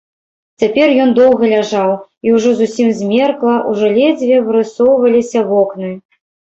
Цяпер ён доўга ляжаў, і ўжо зусім змеркла, ужо ледзьве вырысоўваліся вокны.